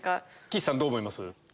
岸さんどう思います？